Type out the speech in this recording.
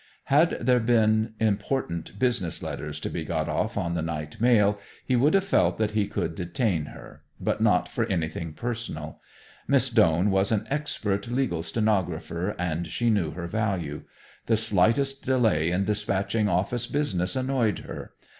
Had there been important business letters to be got off on the night mail, he would have felt that he could detain her, but not for anything personal. Miss Doane was an expert legal stenographer, and she knew her value. The slightest delay in dispatching office business annoyed her.